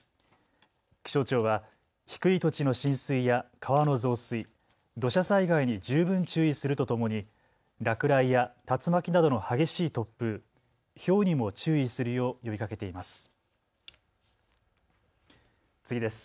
気象庁は低い土地の浸水や川の増水、土砂災害に十分注意するとともに落雷や竜巻などの激しい突風、ひょうにも注意するよう呼びかけています。